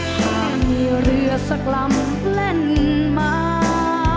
ถ้ามีเรือสักลำแล่นมา